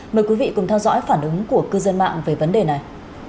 mời quý vị cùng theo dõi phản ứng của cư dân mạng về vấn đề này